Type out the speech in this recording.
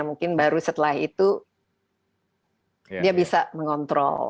mungkin baru setelah itu dia bisa mengontrol